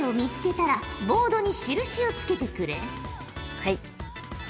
はい。